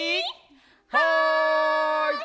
はい！